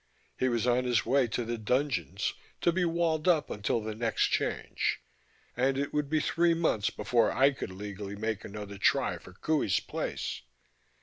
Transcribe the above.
He was on his way to the dungeons, to be walled up until the next Change. And it would be three months before I could legally make another try for Qohey's place.